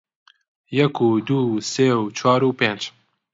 یەک و دوو و سێ و چوار و پێنج